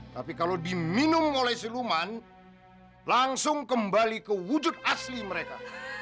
tapi kalau diminum oleh siluman langsung kembali ke wujud asli mereka